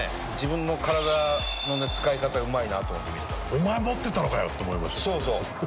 おまえ持ってたのかよと思いました。